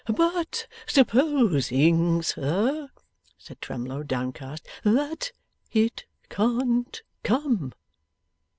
'But supposing, sir,' said Twemlow, downcast, 'that it can't come?